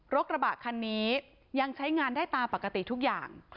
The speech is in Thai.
กระบะคันนี้ยังใช้งานได้ตามปกติทุกอย่าง